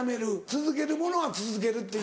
続けるものは続けるっていう。